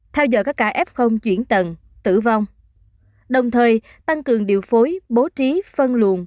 theo dõi các cả f chuyển tầng tử vong đồng thời tăng cường điều phối bố trí phân luồn